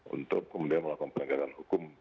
untuk kemudian melakukan penegakan hukum